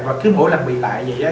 và cứ mỗi lần bị lại vậy á